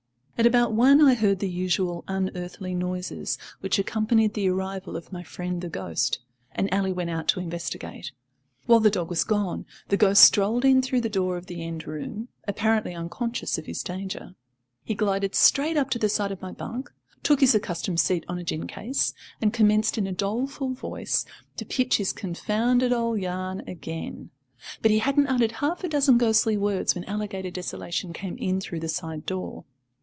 At about one I heard the usual unearthly noises which accompanied the arrival of my friend the ghost, and Ally went out to investigate. While the dog was gone, the ghost strolled in through the door of the end room, apparently unconscious of his danger. He glided straight up to the side of my bunk, took his accustomed seat on a gin case, and commenced in a doleful voice to pitch his confounded old yarn again; but he hadn't uttered half a dozen ghostly words when Alligator Desolation came in through the side door.